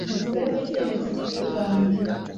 nitwebwe cyerekezo cy'urwanda